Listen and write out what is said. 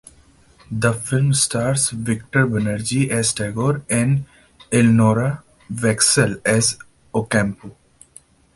The film stars Victor Banerjee as Tagore and Eleonora Wexler as Ocampo.